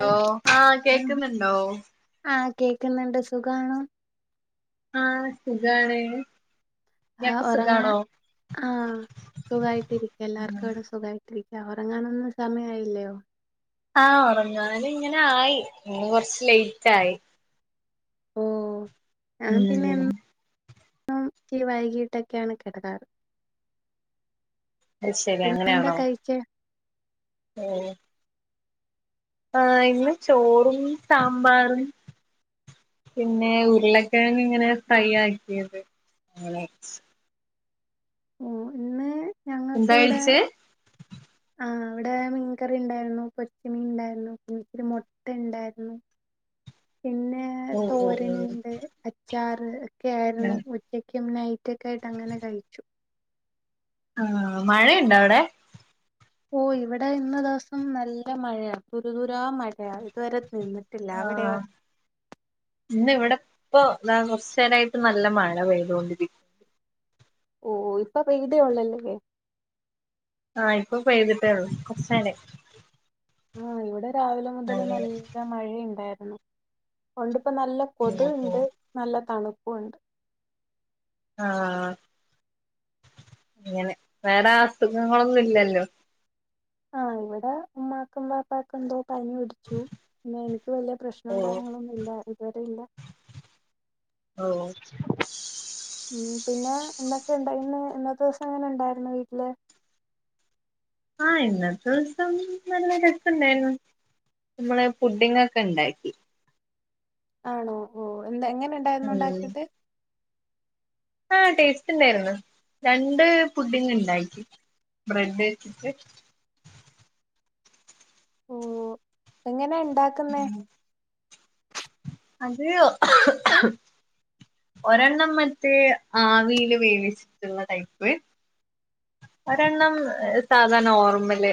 Hello ആഹ് കേക്കുന്നുണ്ടോ കേക്ക്ന്ന്ണ്ട് സുഖാണോ ആഹ് സുഖാണ് ആ ഇയാക്ക് ഉറങ്ങാൻ സുഖാണോ ആഹ് സുഖായിട്ടിരിക്ക എല്ലാർക്കും ഇവിടെ സുഖായിട്ടിരി ക്കാ ഉറങ്ങാനൊന്നും സമയായില്ലയോ ആഹ് ഒറങ്ങാന് ഇങ്ങനെ ആയി ഇന്ന് കൊറച്ച് ലേറ്റ് ആയി ഓ ഉം [unintelligible] വൈകിട്ടൊക്കെയാണ് കിടക്കാറ് അത് പിന്നെ എന്താ കഴിച്ചേ ഓ ആഹ് ഇന്ന് ചോറും സാമ്പാറും പിന്നെ ഉരുളക്കിഴങ്ങ് ഇങ്ങനെ ഫ്രൈ ആക്കിയത് ഓ ഇന്ന് എന്താ ഞങ്ങക്ക് ഇവിടെ കഴിച്ചേ ആഹ് വടെ മീൻകറി ഉണ്ടായിരുന്നു പൊരിച്ചമീൻ ഉണ്ടായിരുന്നു ഇച്ചിരി മുട്ട ഉണ്ടായിരുന്നു പിന്നെ ഓഹ് ഓഹ് ഓഹ് തോരനുണ്ട് അച്ചാറ് ഒക്കെ ആയിരുന്നു ഉച്ച ക്കും നൈറ്റൊക്കായിട്ട് അങ്ങനെ കഴിച്ചു ആഹ് മഴയുണ്ടോ അവിടെ ഓ ഇവിടെ ഇന്ന ദിവസം നല്ല മഴയാ തുരിതുരാ മഴയാ ഇതുവരെ നിന്നിട്ടില്ല അവിടെയോ ആഹ് ഇന്ന് ഇവിടെ ഇപ്പൊ താ കൊറച്ച് നേരായിട്ട് നല്ല മഴ പെയ്തുകൊണ്ടിരിക്കുന്നു ഓ ഇപ്പൊ പെയതെ ഒള്ളല്ലേ ആഹ് ഇപ്പൊ പെയ്തിട്ടേള്ളൂ കൊറച്ച്നേരായി ആ ഇവിടെ രാവിലെ മുതൽ നല്ല മഴയുണ്ടായിരുന്നു ഒണ്ട് ഇപ്പൊ നല്ല കൊതു ഉണ്ട് നല്ല തണുപ്പുണ്ട് ആഹ് അങ്ങനെ വേറെ അസുഖങ്ങളൊന്നുല്ലല്ലോ ആഹ് ഇവിടെ ഉമ്മാക്കും വാപ്പക്കും ഉണ്ട്. പനി പിടിച്ചു പിന്നെ എനിക്ക് വലിയ പ്രശ്നോ ഓ കാര്യങ്ങളൊന്നും ഇല്ല ഇതുവരെ ഇല്ല ഓഹ് ഉം പിന്നെ എന്തൊക്കെണ്ട് ഇന്ന് ഇന്നത്തെ ദിവസം എങ്ങനെ ഇണ്ടായിരുന്നു വീട്ടില് ആ ഇന്നത്തെ ദിവസം നല്ല രസണ്ടായിരുന്നു നമ്മള് ഫുഡിങ്ങൊക്കെ ഇണ്ടാക്കി ആണോ ഓഹ എന്ന് എങ്ങനെ ഇണ്ടായിരുന്നു ഉം ഇണ്ടാക്കിട്ട് ആഹ് ടേസ്റ്റ് ഇണ്ടായിരുന്നു രണ്ട് പുഡിങ് ഇണ്ടാക്കി ബ്രെഡ് വെച്ചിട്ട് ഉം എങ്ങനെ ഇണ്ടാക്ക്ന്നേ അത് ഒരെണ്ണം മറ്റ് ആവീല് വേവിച്ചിട്ട്ള്ള ടൈപ്പ് ഒരെണ്ണം സാധാ നോർമ്മല്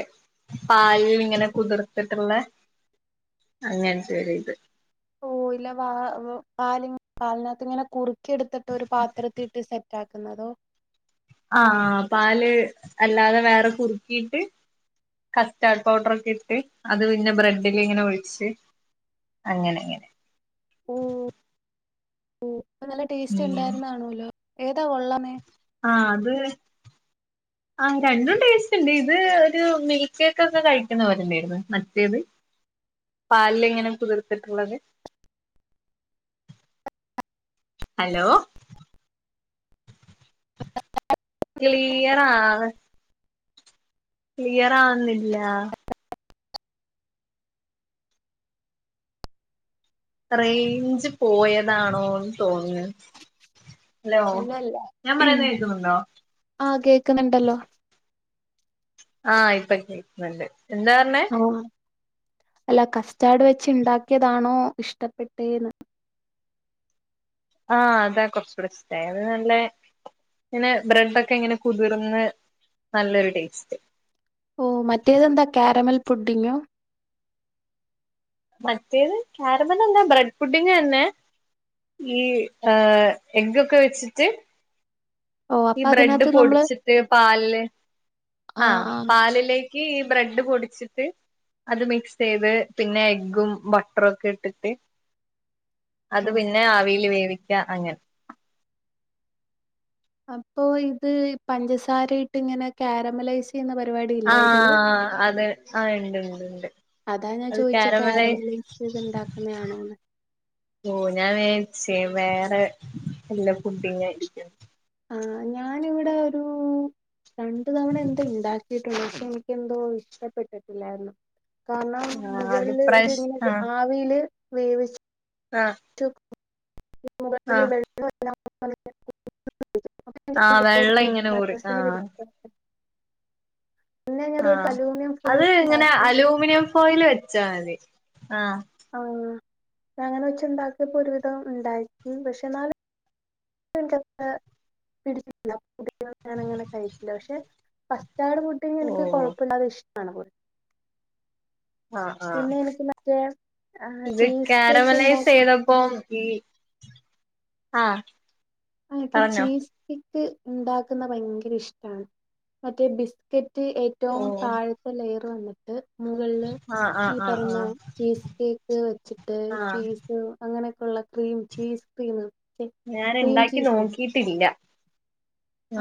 പാലിൽ ഇങ്ങനെ കുതിർത്തിട്ട്ള്ളെ അങ്ങനെ ചെയ്ത് ഓ ഇല വ പാലി പാലിനകത്ത് ഇങ്ങനെ കുറുക്കി എടുത്തിട്ട് ഒരു പാത്രത്തിട്ട് സെ റ്റാക്കുന്നതോ ആഹ് പാല് അല്ലാതെ വേറെ കുറുക്കീട്ട് കസ്റ്റാർഡ് പൗഡർ ഒക്കെ ഇട്ട് അത് പിന്നെ ബ്രെഡിലിങ്ങനെ ഒഴിച്ച് അങ്ങനെ അങ്ങനെ ഓഹ് ഓ നല്ല ടേസ്റ്റ് ഉം ഇണ്ടായിരുന്നാണുല്ലോ [unintelligible] ത്ത് ഒള്ളമേ [unintelligible] ആ രണ്ടും ടേസ്റ്റ് ഇണ്ട് ഇത് ഒരു മിൽക്കേക്കൊക്കെ കഴിക്കുന്നപോലൊണ്ടേരുന്നു മറ്റേത് പാൽല് ഇങ്ങനെ കുതിർത്തിട്ടുള്ളത് ഹലോ ക്ലീയറാണ് ക്ലിയറാവ്ന്നില്ല റേഞ്ച് പോയതാണോന്ന് തോന്ന് ഹലോ നല്ലല്ല ഞാൻ പറയുന്നെ കേക്കുന്നുണ്ടോ ക്ക്ന്ന്ണ്ടല്ലോ ആ ഇപ്പൊ കേക്ക്ന്ന്ണ്ട് എന്താ പർഞ്ഞെ ആ അല്ല കസ്റ്റാഡ് വെച്ച് ഇണ്ടാക്കിയതാണോ ഇഷ്ടപ്പെട്ടേന്ന് ആ അതാ കൊറച്ചൂടെ ഇഷ്ടായെ അത് നല്ലെ പിന്നെ ബ്രെഡൊക്കെ ങ്ങനെ കുതിർന്ന് നല്ലൊരു ടേസ്റ്റ് ഓ മറ്റേതെന്താ ക്യാരമൽ പുഡിങ്ങോ മറ്റേത് ക്യാരമലല്ല ബ്രെഡ് പുഡിങ്ങെന്നെ ഈ എ എഗ്ഗൊക്കെ വെച്ചിട്ട് ഓ ഈ അപ്പൊ ബ്രെഡ് അതിനകത്ത് നമ്മള് പൊടിച്ചിട്ട് പാലില് ആ പാലിലേ ക്കീ ബ്രെഡ് പൊടിച്ചിട്ട് അത് മിക്സ് ചെയ്ത് പിന്നെ എഗ്ഗും ബട്ടറും ഒക്കെ ഇട്ടിട്ട് അത് ഓ പിന്നെ ആവീല് വേവിക്ക അങ്ങനെ അപ്പൊ ഇത് പഞ്ചസാരയിട്ട്ങ്ങനെ ക്യാരമലൈസ് ആഹ് അത് ആ ഇണ്ട് ഇണ്ട് ഇണ്ട് അതാ ഞാൻ ചോയിച്ചെ ക്യാരമലൈസെയ്ത് ഇണ്ടാക്കുന്ന ആണോന്ന് ഓ ഞാൻ വിയാര്ച്ചേ വേറെ വല്ല ഫുഡിങ്ങും ആയിരിക്കുംന്ന് ആ ഞാനിവിടെ ഒരു രണ്ട് തവണ എന്തോ ഉണ്ടാക്കി പക്ഷെ എനിക്കെന്തോ ഇഷ്ടപ്പെട്ടിട്ടില്ലാരുന്നു കാർണം ആ അത് മുകളില് പ്രശ് ഇങ്ങനെ ആവിയില് വേവിച്ച് ആഹ് [unintelligible] ആഹ് വെള്ളം ഇങ്ങനെ ഊറി മനസ്സിന് ആഹ് പിടിക്ക പിന്നെ ഞാനൊരു ആഹ് അലൂമിനിയം ഫോയിൽ അത് ഇങ്ങനെ വെച്ചുണ്ടാക്കി അലൂമിനിയം ഫോയില് വെച്ചാ മതി ആഹ് ആഹ് അങ്ങനെ വെച്ചൊണ്ടാക്കിയപ്പോ ഒരുവിധം ഉണ്ടായി പക്ഷെ എന്നാല് [unintelligible] കഴിക്കില്ല പക്ഷെ [unintelligible] റ്റാടെ കുട്ടീനെ എനക്ക് ഓഹ് കൊഴപ്പഇല്ലാതെ ഇഷ്ടാണ് പോല ആഹ് ആഹ് പിന്നെ എനിക്ക് മറ്റേ ഇത് ചീസ് കേക്ക് ക്യാരമലൈസ് ഉണ്ടാക്കി ചെയ്തപ്പോ ഈ ആഹ് ആ എൻക് പറഞ്ഞോ ചീസ് കേക്ക് ഇണ്ടാക്കുന്ന ഭയ്ങ്കരിഷ്ടാണ് മറ്റേ ബിസ്ക റ്റ് ഏറ്റവും ഓഹ് താഴത്തെ ലെയറ് വന്നിട്ട് മുകളില് ആഹ് ഈ ആഹ് ആഹ് പറേന്ന ആഹ് ചീസ് കേക്ക് വച്ചിട്ട് ആഹ് ചീസ് അങ്ങനെ ഒള്ള ക്രീം ചീസ് ക്രീം പി ന്നെ ഉണ്ടാക്കി നോക്കിയിട്ടില്ല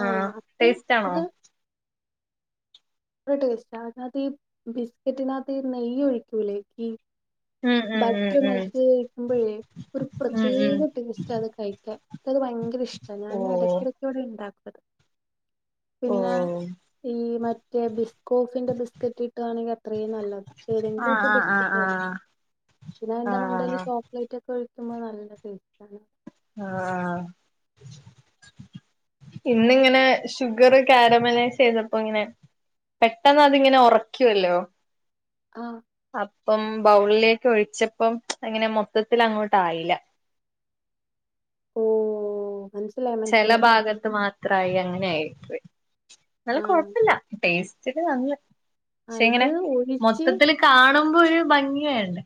ആ ആഹ് അത് ടേസ്റ്റ് ആണോ അത് ടേസ്റ്റാ അതിനാത്തീ ബിസ്കറ്റിനാത്ത് നെയ്യ് ഒഴിക്കൂലേ ഈ ഉം ഉം ഉം ബട്ര് ഉം മെൽറ്റ് ചെയ്ത്ക്കുമ്പഴേ ഒരു ഉം ഉം പ്രത്യേക ടേസ്റ്റാത് കഴിക്കാൻ പ്പത് ഭയങ്കര ഇഷ്ടാ ഞാൻ ഓഹ് എടക്കെടക്കിവിടെ ഇണ്ടാ പിന്നെ ഓഹ് ഈ മറ്റേ ബിസ് കോഫിന്റെ ബിസ്കറ്റ് കിട്ടുകവാണെങ്കിൽ അത് അത്രയും നല്ലതാണ് ആഹ് ഏതെങ്കിലുംമൊക്കെ ആഹ് ബിസ്കറ്റ് ആഹ് പിന്നെ ആയിൻ്റെ ആഹ് മണ്ടയിൽ ആഹ് ചോക്ലേറ്റ് ഒക്കെ കുമ്മ നല്ല ടേസ്റ്റ് ആണ് ആ ഇന്നിങ്ങനെ ഷുഗർ കാരമലൈസ് ചെയ്തപ്പോ ഇങ്ങനെ പെട്ടെന്ന് അതിങ്ങനെ ഉറക്കുവല്ലോ ആ അപ്പം ബൗളിലേക്ക് ഒഴിച്ചപ്പം അങ്ങനെ മൊത്തത്തിലങ്ങോട്ടായില്ല ഓ മനസ്സിലായി ചില മനസ്സിലായി ഭാഗത്ത് മാത്രമായി അങ്ങനെ ആയിരിപ്പോയ് ന്നാലും ആഹ് കുഴപ്പില്ല ടേസ്റ്റ് [unintelligible] പക്ഷെ ആഹ് ഇത് ഇങ്ങനെ ഒഴിച്ച് മൊത്തത്തില് കാണുമ്പോ ഒരു ഭംഗി വേണ്ടേ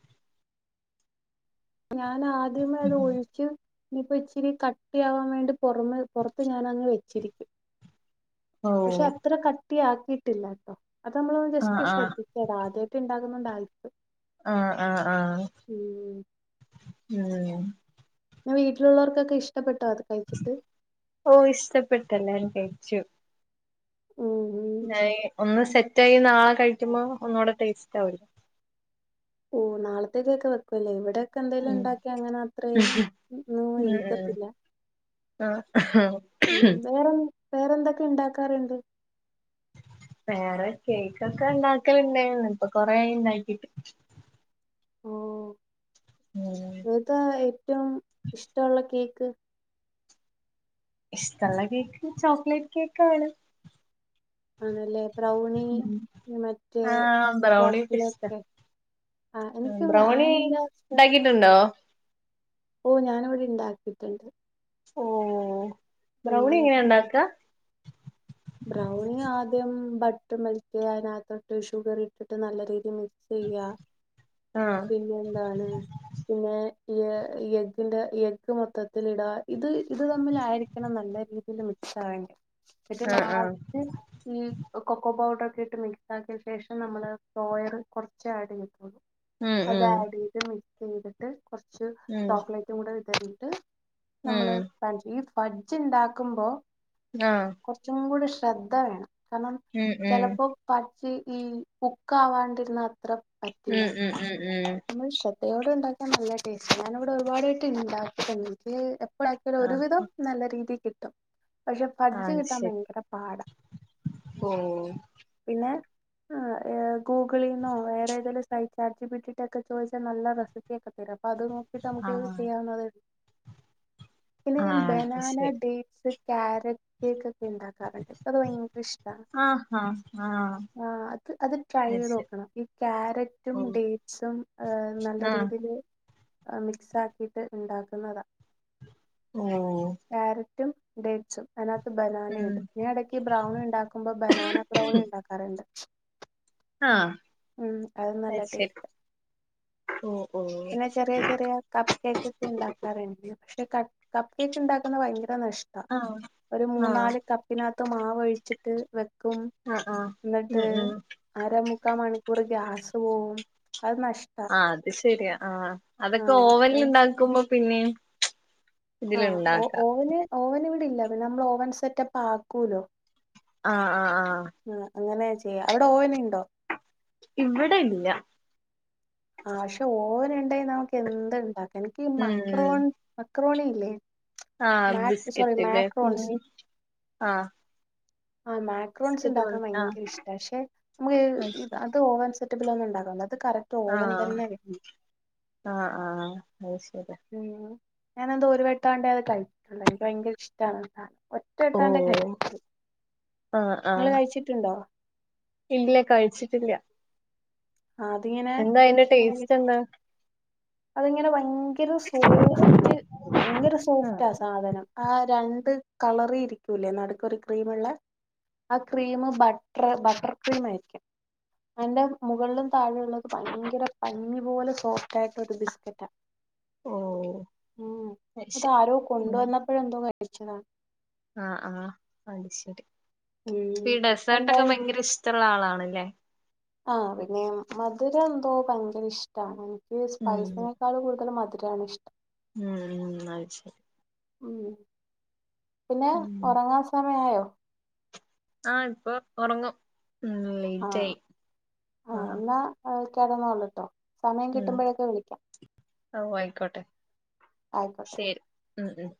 ഞാൻ ആദ്യമേ അത് ഒഴിക്കും ഇനിയിപ്പോ ഇച്ചിരി കട്ടിയവാൻ വേണ്ടി പുറമെ പുറത്ത് ഞാൻ അങ്ങ് വെച്ചിരിക്കും ഓ പക്ഷെ അത്ര കട്ടിയാക്കിയിട്ടില്ലട്ടോ അത് നമ്മള് ഒന്ന് ആഹ് ജസ്റ്റ് ആഹ് ശ്രദ്ധിക്കണം ആദ്യമായിട്ട് ഇണ്ട [unintelligible] ആ ആ ആ ഉം പിന്നെ വീട്ടിലുള്ളവർക്കൊക്കെ ഇഷ്ടപ്പെട്ട് ഓ ഇഷ്ടപ്പെട്ട് എല്ലാരും കഴിച്ചു ഉം ഉം ഞാൻ ഒന്ന് സെറ്റായി നാളെ കഴിക്കുമ്പോ ഒന്നുകൂടെ ടേസ്റ്റ് ആവുല്ലോ ഓ നാളത്തേക്ക് ഒക്കെ വെക്കുവല്ലേ ഇവിടെ ക്ക എന്തേലും ഉം ഉണ്ടാക്കി അങ്ങനെ അത്രയും ഒന്നും ഇരിക്കത്തില്ല ആ ആ ഉം വേറെ വേറെന്തൊക്കെ ഇണ്ടാക്കാറുണ്ട് വേറെ കേക്കൊക്കെ ഉണ്ടാക്കലിണ്ടായിന്ന് ഇപ്പൊ കൊറേയായി ഇണ്ടാക്കിട്ട് ഓ ഉം ഏതാ ഏറ്റവും ഇഷ്ടമുള്ള കേക്ക് ഇഷ്ടമുള്ള കേക്ക് ചോക്ലേറ്റ് കേക്ക് ആണ് ആണല്ലേ ബ്രൗണി മറ്റേ ആഹ് ബ്രൗണിയൊക്കെ ഇഷ്ട ചോപ്പൊലക്കെ ബ്രൗണി ഉണ്ടാക്കിട്ടുണ്ടോ ഓ ഞാന് ഇവിടെ ഇണ്ടാക്കിട്ടുണ്ട് ഓ ബ്രൗണി എങ്ങനെയ ഉണ്ടാക്ക ബ്രൗണി ആദ്യം ബട്ടർ മിൽക്ക് അതിനകത്തോട്ട് ഷുഗർ ഇട്ടിട്ട് നല്ല രീതി മിക്സ് ആഹ് പിന്നെ എന്താണ് പിന്നെ ഈ എഗ്ഗിന്റെ എഗ് മൊത്തത്തിൽ ഇടുക ഇത് ഇത് തമ്മിൽആയിരിക്കണം നല്ല രീതി ഇത് മിക്സ് ആവാന് ഏറ്റവും ആഹ് ആഹ് ലാസ്റ്റ് ഉം കൊക്കോ പൗഡർ ക്കട്ട് മിക്സ് ആക്കിയ ശേഷം നമ്മള് ഫ്രേയറ് കുറച്ച് ആഡ് ചെയ്ത്തുള്ളൂ ഉം അത് ഉം ആഡ് ചെയ്ത് മിക്സ് ചെയ്തിട്ട് കുറച്ച് ഉം ചോക്ലേറ്റും കൂടെ വിതറിട്ട് നമ്മള് ഉം ഈ ഫഡ്ജ് ഉണ്ടാക്കുമ്പോ ആ കുറച്ചും കൂടി ശ്രദ്ധ വേണം കാരണം ഉം ഉം ചിലപ്പോ ഈ കുക്ക് ആവാണ്ടിരുന്ന അത്ര പറ്റില്ല ഉം ഉം ഉം ഉം നമ്മൾ ഇവിടെ ഉണ്ടാക്കിയാൻ നല്ല ടേസ്റ്റ് ഞാനിവിടെ ഒരുപാടായിട്ട് ഉണ്ടാക്കിട്ട എനിക്ക് ളൽ ഒരുവിധം ആഹ് നല്ല രീതിൽ കിട്ടും പക്ഷെ ച്ച് ആഹ് കിട്ടാൻ ശരി ഭയങ്കര പാട ഓഹ് പിന്നെ ആ ഗൂഗിളിൽന്നോ വേറെ ഏതെലും site chat G P T വിട്ടിട്ടൊക്കെ ചോദിച്ചാൽ നല്ല റെസിപ്പിയൊക്കെ ചിലപ്പോ അത് നോക്കിട്ട് നമുക്ക് ആഹ് ചെയ്യാവുന്നതേ പിന്നെ ഞാൻ ആഹ് അത് ബെനാന ശരി ഡേറ്റ് സ് ക്യാരറ്റ് കേക്ക് ഇണ്ടാക്കാറുണ്ട് എനക്ക് അത് ഭയങ്കര ഇഷ്ടാ ആ ആ് അത് അത് ട്രൈ ചെയ്ത് നോക്കണം ഈ ക്യാരറ്റും ഓഹ് ഡേറ്റ്സും നല്ല ആഹ് രീതിയിൽ മിക്സ് ആക്കിയിട്ട് ഇണ്ടാക്കുന്നതാ ഓഹ് റ്റും ഡെയ്റ്റ്സും ബനാന ഉം ഇടും ഞാൻ ഇടക്ക് ബ്രൗണി ഉണ്ടാക്കുമ്പോ ബനാന ബ്രൗണി ഉണ്ടാക്കാറുണ്ട് ആഹ് ഉം അത് നല്ല ടേസ്റ്റ് ഓഹ് ഓഹ് പിന്നെ ചെറിയ ചെറിയ കപ്പ് കേക്ക് ഒക്കെ ഉണ്ടാക്കാറുണ്ട് പക്ഷെ കപ്പ് കേക്ക് ഉണ്ടാക്കുന്നാ ഭയങ്കര നഷ്ട ആഹ് ഒരു ആഹ് മൂന്നാല് കപ്പിനാത്ത് മാവോഴിച്ചിട്ട് വെക്കും ആഹ് ആഹ് ഉം എന്നിട്ട് ഉം അരമുക്കാ മണിക്കൂർ ഗ്യാസ് പോവും അത് നഷ്ടാ ആഹ് അത് ശരിയാ ആഹ് അതൊക്കെ ഓവനിൽ ആഹ് ഉണ്ടാക്കുമ്പോ പിനേം ആഹ് ഇതിലുണ്ടാക്കാം ഓവന് ഓവൻ ഇവിടെ ഇല്ല നമ്മൾ ഓവൺ സെറ്റപ്പ് ആക്കുല്ലോ ആഹ് ആഹ് ആഹ് ഉം അങ്ങനെയ ചെയ്യ അവിടെ ഓവാൻ ഇണ്ടോ ഇവിടെ ഇല്ല ആഹ് ക്ഷെ ഓവന ഉണ്ടെ നമുക്ക് എന്ത് ഇണ്ടാക്കാം എനിക്ക് ഈ ഉം ഉം മക്രോൺ മക്രോണി ഇല്ലേ ആഹ് മാക് സോറി ബിസ്ക്കെറ്റ് മാക്രോൺസ് [unintelligible] ആഹ് ആഹ് മാക്രോൺസ് ബിസ്ക്കറ്റ് ഉണ്ടാക്കാൻ പോലത്തെ ആഹ് ഭയങ്കര ഇഷ്ട പക്ഷെ നം അത് ഓവൻ സെ റ്റപ്പിൽ ഒന്നും ഉണ്ട അത് കറ ആഹ് ആഹ് ആഹ് അയ്ശ ഉം ഞാന് എന്തോ ഒരു വെട്ടാണ്ടെ അത് കഴിച്ചിട്ടുള്ള എനിക്ക് ഭയങ്കര ഇഷ്ടമാണ് ആ സാനം ഒറ്റ വേട്ടണ്ടെ ഓഹ് കഴിച്ചു ആഹ് നിങ്ങൾ ആഹ് കഴിച്ചിട്ടുണ്ടോ ഇല്ല കഴിച്ചിട്ടില്ല ആഹ് അതിങ്ങനെ എന്താ അയിന്റെ ഭയങ്കര ടേസ്റ്റ് എന്താ അതിങ്ങനെ ഭയങ്കര സോഫ്റ്റ് ഭയങ്കര ആഹ് സോഫ്റ്റ സാധനം ആഹ് രണ്ട് കളറി ഇരിക്കൂല്ലേ നാടുക്ക് ഒരു ക്രീം ഉള്ള ആ ക്രീം ബട്ടർ ബട്ടർ ക്രീം ആയിരിക്കും അന്റെ മുകളിലും താഴെ ഉള്ളത് ഒക്കെ ഭയങ്കര പഞ്ഞി പോലെ സോഫ്റ്റായി [unintelligible] ബിസ്‌ക്കറ്റ ഓഹ് ഉം അത് ശരി അതാരോ കൊണ്ട് ഉം വന്നപ്പഴേന്തോ ക കഴിച്ചതാണ് ആഹ് ആഹ് അത് ശരി ഉം പ്പോ ഈ ഇപ്പ ഡെസ്സേർട്ട് ഒക്കെ എന്തായി ഭയങ്കര ഇഷ്ടവുള്ള ആളാ ആണല്ലേ ആഹ് പിന്നെ മധുരം എന്തോ ഭയങ്കര ഇഷ്ടാണ് ഈ ഉം സ്പൈസിനേക്കാളു കൂടുതൽ മധുരമാണ് ഇഷ്ടം ഉം ഉം അത് ശരി ഉം പിന്നെ ഉം ഉറങ്ങാൻ സമയയോ ആഹ് ഇപ്പൊ ഉറങ്ങും ആഹ് ആ ആഹ് എന്നാ കിടന്നോളു ട്ടോ സമയം ഉം കിട്ടുമ്പോഴൊക്കെ വിളിക്കാം ഓ ആയിക്കോട്ടെ ആയിക്കോട്ടെ ശരി ഉം ഉം